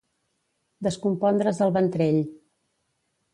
Descompondre's el ventrell.